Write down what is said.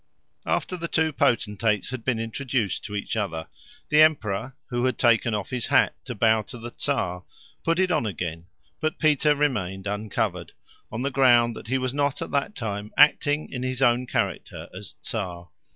After the two potentates had been introduced to each other, the emperor, who had taken off his hat to bow to the Czar, put it on again, but Peter remained uncovered, on the ground that he was not at that time acting in his own character as Czar.